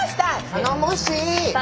頼もしい！